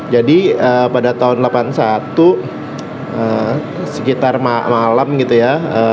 jadi pada tahun seribu sembilan ratus delapan puluh satu sekitar malam gitu ya